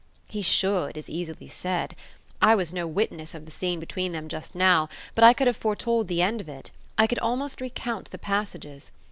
... He should, is easily said. I was no witness of the scene between them just now, but I could have foretold the end of it; I could almost recount the passages.